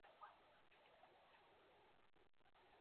Lahore Sui northern gas نے متعدد power houses کو گیس سپلائی بند کر دی